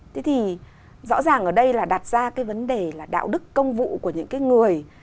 thế thì rõ ràng ở đây là đặt ra cái vấn đề là đạo đức công vụ của những cái người